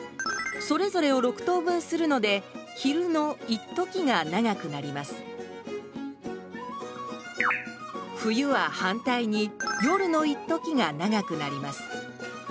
それぞれを６等分するので昼のいっときが長くなります冬は反対に夜のいっときが長くなります。